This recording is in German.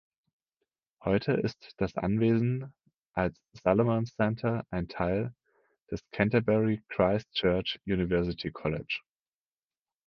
Heute ist das Anwesen als Salomon-Centre ein Teil des Canterbury Christ Church University College.